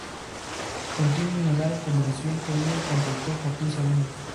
Contiene una larga conversación con el cantautor Joaquín Sabina.